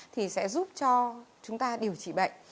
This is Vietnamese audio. thì sẽ giúp cho chúng ta điều trị bệnh